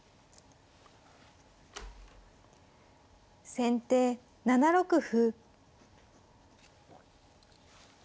先手７六歩。